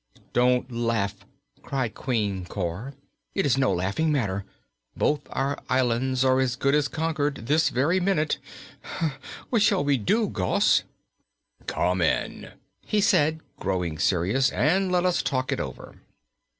"Don't laugh!" cried Queen Cor. "It is no laughing matter. Both our islands are as good as conquered, this very minute. What shall we do, Gos?" "Come in," he said, growing serious, "and let us talk it over."